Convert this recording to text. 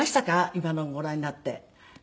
今のをご覧になって。